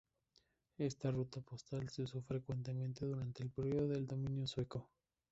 Esta ruta postal se usó frecuentemente durante el período del dominio sueco.